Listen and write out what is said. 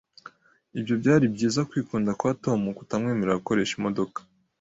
Ibyo byari byiza kwikunda kwa Tom kutakwemerera gukoresha imodoka.